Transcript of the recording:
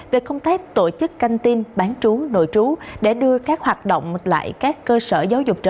về công tác tổ chức canh tin bán trú nội trú để đưa các hoạt động lại các cơ sở giáo dục